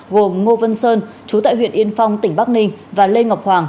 gồm ngô vân sơn chú tại huyện yên phong tỉnh bắc ninh và lê ngọc hoàng